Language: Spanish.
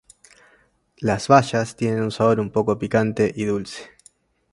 Las bayas tienen un sabor un poco picante y dulce.